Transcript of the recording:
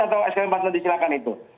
atau skb empat menteri silahkan itu